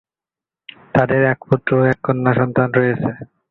তাদের এক পুত্র ও এক কন্যা সন্তান রয়েছে।